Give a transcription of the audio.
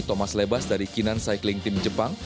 thomas lebas dari kinan cycling team jepang